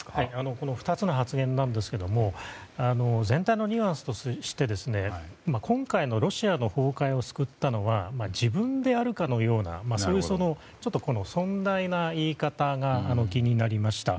この２つの発言ですが全体のニュアンスとして今回のロシアの崩壊を救ったのは自分であるかのようなそういう尊大な言い方が気になりました。